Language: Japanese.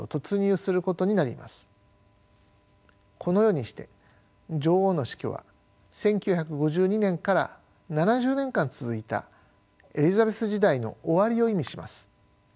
このようにして女王の死去は１９５２年から７０年間続いたエリザベス時代の終わりを意味します。